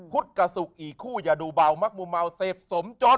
พุทธกับศุกร์อีกคู่อย่าดูเบามักมุมเมาเสพสมจน